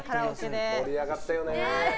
盛り上がったよね。